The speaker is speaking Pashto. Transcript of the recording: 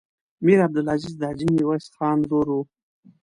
میر عبدالعزیز د حاجي میرویس خان ورور و.